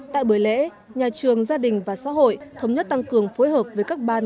tại buổi lễ nhà trường gia đình và xã hội thống nhất tăng cường phối hợp với các ban